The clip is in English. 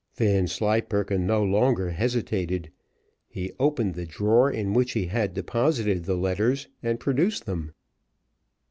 Vanslyperken no longer hesitated; he opened the drawer in which he had deposited the letters, and produced them.